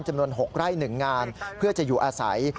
จำนวน๖ไร่๑งานเพื่อจะอยู่อาศัย